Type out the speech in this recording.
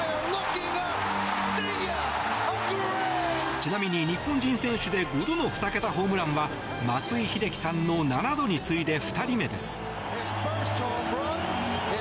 ちなみに日本人選手で５度の２桁ホームランは松井秀喜さんの７度に次いで２人目です。